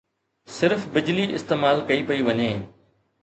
صرف بجلي استعمال ڪئي پئي وڃي